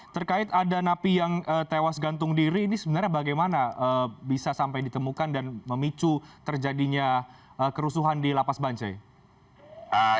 terkait ada napi yang tewas gantung diri ini sebenarnya bagaimana bisa sampai ditemukan dan memicu terjadinya kerusuhan di lapas bancai